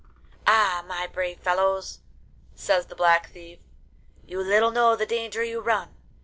'Ah! my brave fellows,' says the Black Thief, 'you little know the danger you run.